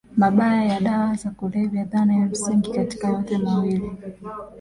mabaya ya dawa za kulevya Dhana ya msingi katika yote mawili